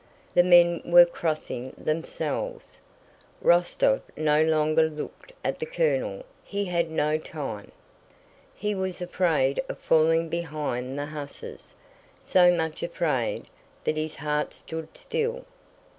The men were crossing themselves. Rostóv no longer looked at the colonel, he had no time. He was afraid of falling behind the hussars, so much afraid that his heart stood still.